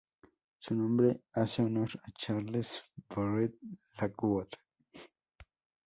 Su nombre hace honor a Charles Barrett Lockwood.